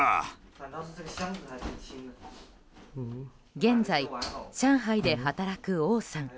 現在、上海で働く王さん。